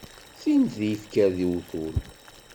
Tin n yifker d uwtul.